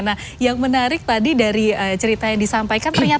nah yang menarik tadi dari cerita yang disampaikan